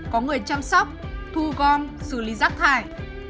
có người chăm sóc thu gom xử lý rác thải